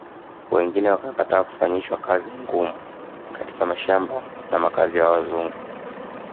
Wengine wakakataa kufanyishwa kazi ngumu katika mashamba na makazi ya Wazungu